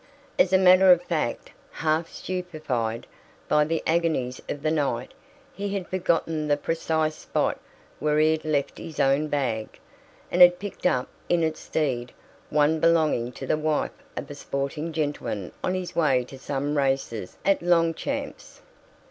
As a matter of fact, half stupefied by the agonies of the night, he had forgotten the precise spot where he had left his own bag, and had picked up in its stead one belonging to the wife of a sporting gentleman on his way to some races at Longchamps.